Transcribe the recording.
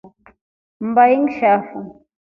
Mba ngishafu.